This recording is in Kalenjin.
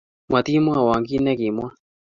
matimwowo kito ne kimwa